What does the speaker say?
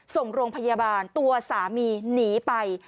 ส่งโรงพยาบาลตัวสามีหนีไป